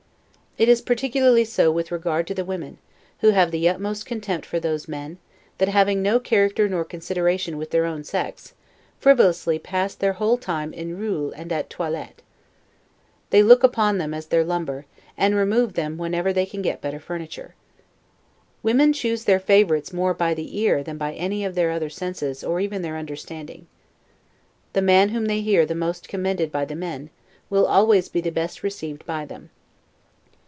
It is particularly so with regard to the women; who have the utmost contempt for those men, that, having no character nor consideration with their own sex, frivolously pass their whole time in 'ruelles' and at 'toilettes'. They look upon them as their lumber, and remove them whenever they can get better furniture. Women choose their favorites more by the ear than by any other of their senses or even their understandings. The man whom they hear the most commended by the men, will always be the best received by them.